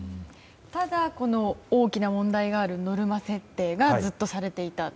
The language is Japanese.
ただ、大きな問題があるノルマ設定がずっとされていたと。